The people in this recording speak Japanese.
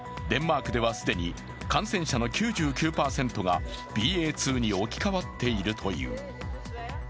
デンマークでは既に感染者の９９％がＢＡ．２に置き換わっているという。